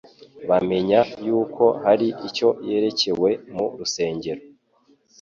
Bamenya yuko hari icyo yerekewe mu Rusengero